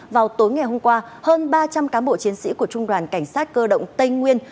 vào tối ngày hôm qua hơn ba trăm linh cán bộ chiến sĩ của trung đoàn cảnh sát cơ động tây nguyên